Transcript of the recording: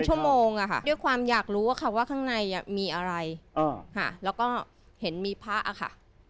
ชั่วโมงอ่ะค่ะความอยากรู้ว่าเขาว่าข้างในมีอะไร๙๕๒เห็นมีผ้าขา